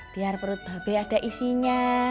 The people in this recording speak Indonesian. biar perut babe ada isinya